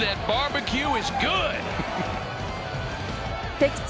敵地